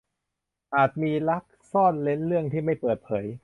อาจมีรักซ่อนเร้นเรื่องที่ไม่เปิดเผย